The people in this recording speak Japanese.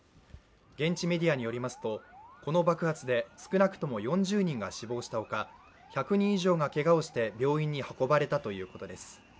現地メディアによりますと、この爆発で少なくとも４０人が死亡したほか１００人以上がけがをして病院に運ばれたということです。